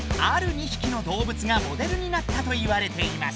２ひきの動物がモデルになったといわれています。